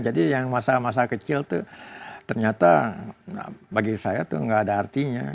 jadi yang masa masa kecil itu ternyata bagi saya itu tidak ada artinya